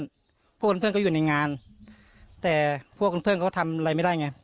เพราะเพื่อนเพื่อนก็อยู่ในงานแต่พวกคุณเพื่อนเขาทำอะไรไม่ได้ไง